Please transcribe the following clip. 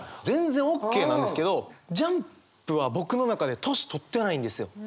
全然オッケーなんですけどＪＵＭＰは僕の中で年取ってないんですよ。